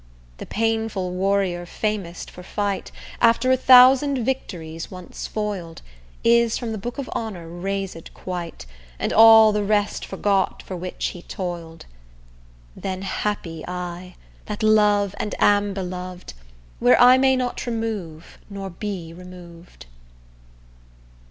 The painful warrior famoused for fight, After a thousand victories once foil'd, Is from the book of honour razed quite, And all the rest forgot for which he toil'd: Then happy I, that love and am belov'd, Where I may not remove nor be remov'd.